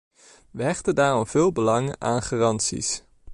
We hechten daarom veel belang aan garanties.